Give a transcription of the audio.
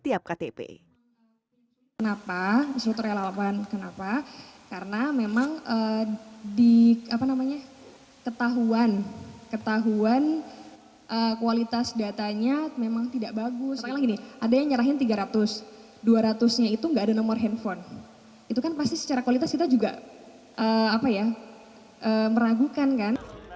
itu kan pasti secara kualitas kita juga meragukan kan